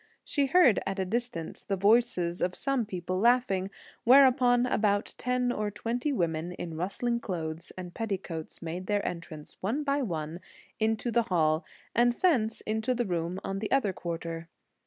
She heard at a distance the voices of some people laughing, whereupon about ten or twenty women, with rustling clothes and petticoats, made their entrance, one by one, into the hall, and thence into the room on the other quarter.